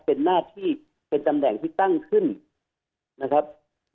เป็นหน้าที่เป็นตำแหน่งที่ตั้งขึ้นนะครับ